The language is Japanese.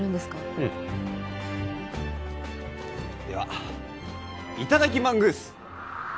うんではいただきマングース！